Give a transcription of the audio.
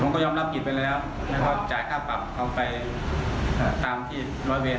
แต่ผมก็ยอมรับผิดไปเลยครับแล้วก็จ่ายค่าปรับเขาไปตามที่ร้อยเวล